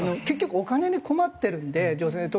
結局お金に困ってるので女性